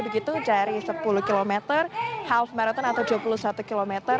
begitu dari sepuluh km half marathon atau dua puluh satu km